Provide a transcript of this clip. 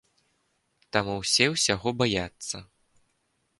Таму ўсе ўсяго баяцца.